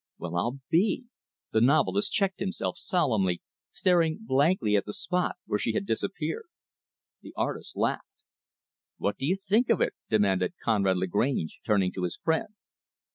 "Well, I'll be " The novelist checked himself, solemnly staring blankly at the spot where she had disappeared. The artist laughed. "What do you think of it?" demanded Conrad Lagrange, turning to his friend.